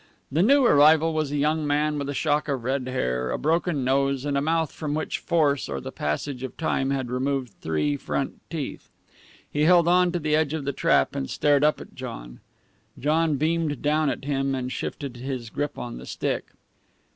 The new arrival was a young man with a shock of red hair, a broken nose, and a mouth from which force or the passage of time had removed three front teeth. He held on to the edge of the trap, and stared up at John. John beamed down at him, and shifted his grip on the stick.